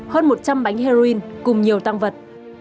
hơn một trăm linh bánh heroin cùng nhiều tăng vật